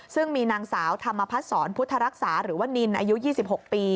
ซึ่งมีนางสาวธรรมพัฒนศรพุทธรักษาหรือว่านินอายุ๒๖ปี